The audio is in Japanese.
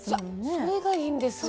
それがいいんですよ。